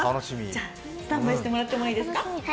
じゃ、スタンバイしてもらってもいいですか？